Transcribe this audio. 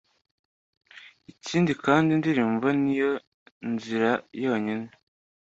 ikindi kendi indirimbo ni yo nzire yonyine